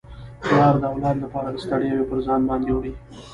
پلار د اولاد لپاره ستړياوي پر ځان باندي وړي.